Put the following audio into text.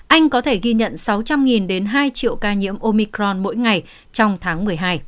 anh có thể ghi nhận sáu trăm linh đến hai triệu ca nhiễm omicron mỗi ngày trong tháng một mươi hai